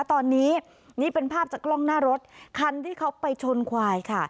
ตอนนี้นี่เป็นภาพจากกล้องหน้ารถคันที่เขาไปชนควายค่ะ